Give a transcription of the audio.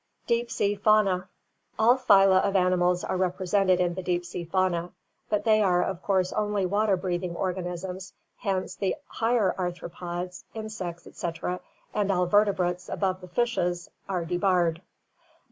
Deep Sea Fauna All phyla of animals are represented in the deep sea fauna, but they are of course only water breathing organisms, hence the higher Arthropoda (insects, etc.) and all vertebrates above the fishes are debarred.